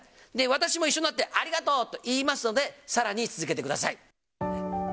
私も一緒になってありがとうと言いますので、さらに続けてください。